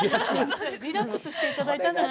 リラックスしていただけたなら。